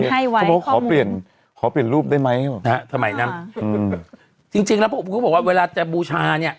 เพราะว่าขอเปลี่ยนขอเปลี่ยนรูปได้ไหมทำไมนั้นจริงจริงแล้วพระอุปกรุษบอกว่าเวลาจะบูชาเนี่ย